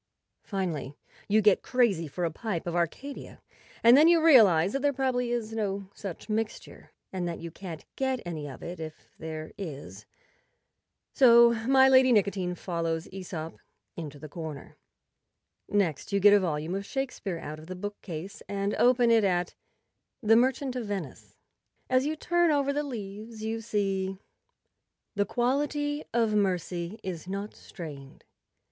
Finally you get crazy for a pipe of Arcadia, and then you realize that there probably is no such mixture, and that you can't get any of it if there is. So " My Lady Nicotine " fol¬ lows vEsop. into the corner. Next you get a volume of Shakespeare out of the bookcase and open it at 'The Merchant of Venice." As you turn over the leaves you see— " The quality of mercy is not strain'd.